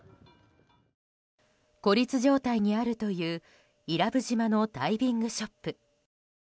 孤立状態にあるという伊良部島のダイビングショップ。